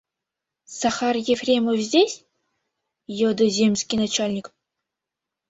— Захар Ефремов здесь? — йодо земский начальник.